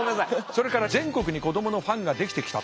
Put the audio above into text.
それから全国に子どものファンができてきたと。